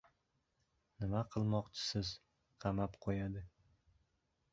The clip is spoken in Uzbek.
— Nima qil- moqchisiz, qamab qo‘yadi!